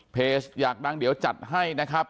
อยากดังเดี๋ยวจัดให้นะครับ